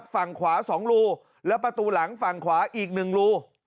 ฝั่งขวา๒รูและประตูหลังฝั่งขวาอีก๑รู